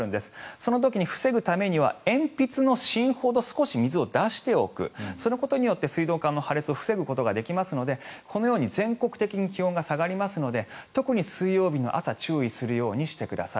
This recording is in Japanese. そのために防ぐためには鉛筆の芯ほど少し水を出しておくそのことによって水道管の破裂を防ぐことができますのでこのように全国的に気温が下がりますので特に水曜日の朝注意するようにしてください。